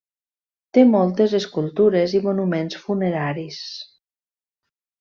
Té moltes escultures i monuments funeraris.